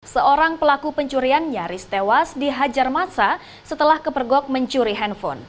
seorang pelaku pencurian nyaris tewas dihajar masa setelah kepergok mencuri handphone